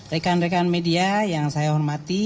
rekan rekan media yang saya hormati